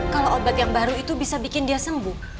kalau obat yang baru itu bisa bikin dia sembuh